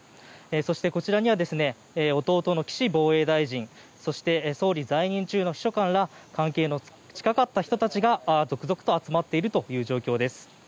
そして、こちらには弟の岸防衛大臣そして総理在任中の秘書官ら関係の近かった人たちが続々と集まっているという状況です。